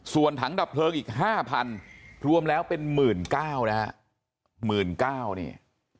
ส่วนถังดับเพลิงอีก๕๐๐๐บาทรวมแล้วเป็น๑๙๐๐๐บาทนะฮะ๑๙๐๐๐บาทนี่